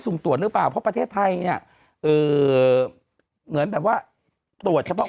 ตรวจหรือเปล่าเพราะประเทศไทยเนี่ยเอ่อเหมือนแบบว่าตรวจเฉพาะ